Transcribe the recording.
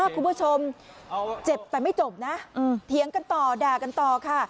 คุณผู้ชมเจ็บแต่ไม่จบนะเถียงกันต่อด่ากันต่อค่ะ